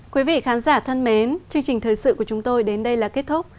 quý vị khán giả thân mến chương trình thời sự của chúng tôi đến đây là kết thúc